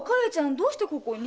どうしてここに？